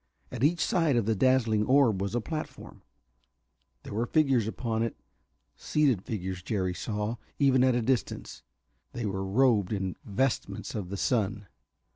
At each side of the dazzling orb was a platform. There were figures upon it, seated figures, Jerry saw, even at a distance, that were robed in vestments of the sun.